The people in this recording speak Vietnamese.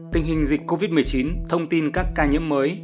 tình hình dịch covid một mươi chín thông tin các ca nhiễm mới